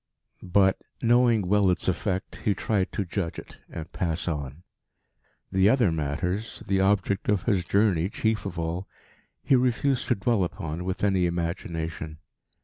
But, knowing well its effect, he tried to judge it and pass on. The other matters, the object of his journey chief of all, he refused to dwell upon with any imagination.